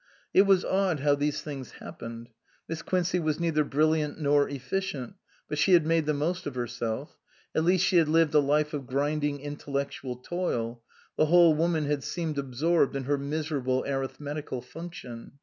It was odd how these things happened. Miss Quincey was neither brilliant nor efficient, but she had made the most of herself ; at least she had lived a life of grinding intellectual toil ; the whole woman had seemed absorbed in her miserable arithmetical function.